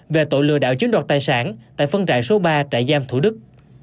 về tội lừa đạo chiến đoạt tài sản tại phân trại số ba trại giam thủ đức